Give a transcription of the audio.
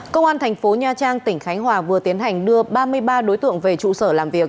công an thành phố nha trang tỉnh khánh hòa vừa tiến hành đưa ba mươi ba đối tượng về trụ sở làm việc